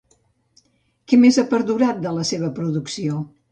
Què més ha perdurat de la seva producció?